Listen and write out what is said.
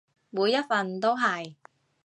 每一份都係